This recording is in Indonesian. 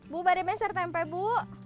bu berapa harga tempe bu